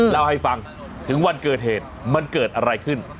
เล่าให้ฟังถึงวันเกิดเหตุมันเกิดอะไรขึ้น